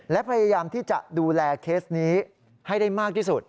และพยายามที่จะดูแลเคสนี้ให้ได้มากที่สุด